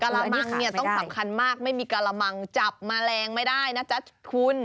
ละมังเนี่ยต้องสำคัญมากไม่มีกระมังจับแมลงไม่ได้นะจ๊ะคุณ